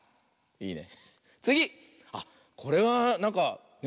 いいね。